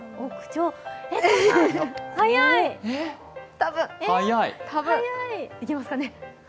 多分、いけますかね。